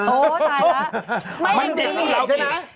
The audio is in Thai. โอ้ตายแล้วมันเด็กลูกแล้วจริงไหม